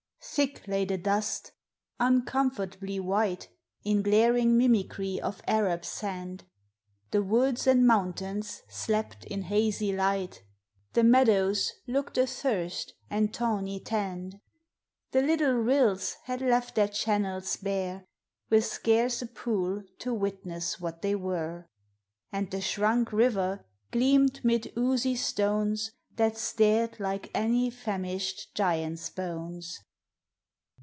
Thick lay the dust, uncomfortably white, In glaring mimicry of Arab sand. The woods and mountains slept in hazy light; The meadows looked athirst and tawny tanned; The little rills had left their channels bare, With scarce a pool to witness what they were; And the shrunk river gleamed 'mid oozy stones. That stared like any famished giant's bones.